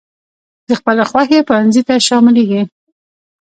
د خپلې خوښي پونځي ته شاملېږي.